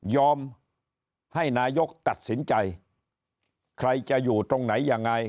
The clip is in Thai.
ให้นายกตัดสินใจใครจะอยู่ตรงไหนยังไง